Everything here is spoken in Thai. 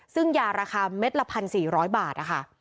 ซึ่งยาราคาเม็ดละ๑๔๐๐บาทนะคะ